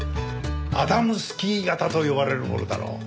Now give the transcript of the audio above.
アダムスキー型と呼ばれるものだろう。